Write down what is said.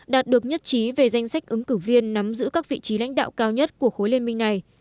đạt được nhất trí về danh sách ứng cử viên nắm giữ các vị trí lãnh đạo cao nhất của khối liên minh này